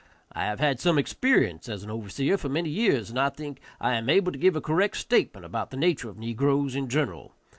I have had some experience as an overseer for many years, and I think I am able to give a correct statement about the nature of negroes in general.